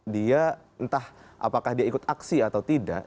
dia entah apakah dia ikut aksi atau tidak